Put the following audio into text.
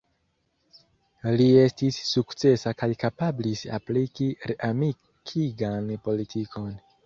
Li estis sukcesa kaj kapablis apliki reamikigan politikon.